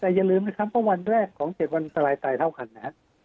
แต่อย่าลืมว่าวันแรกของเจ็ดวันสลายตายเท่ากันนะครับ